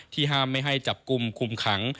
ห้ามไม่ให้จับกลุ่มคุมขัง